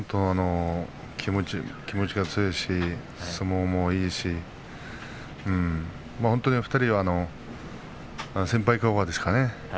気持ちも強いし相撲もいいし２人は先輩、後輩ですよね